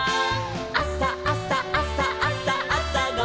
「あさあさあさあさあさごはん」